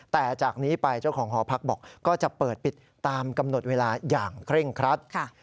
แต่จากนี้ไปเจ้าของหอพักบอกก็จะเปิดปิดตามกำหนดเวลาอย่างเคร่งครัด